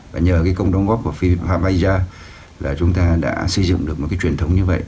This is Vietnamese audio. và nhờ cái công đồng góp của phim habaija là chúng ta đã xây dựng được một cái truyền thống như vậy